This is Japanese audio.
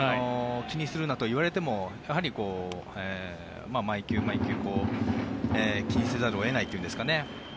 気にするなと言われてもやはり毎球、毎球気にせざるを得ないというんですかね。